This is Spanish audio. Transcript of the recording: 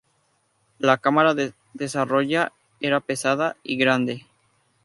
La cámara desarrollada era pesada y grande.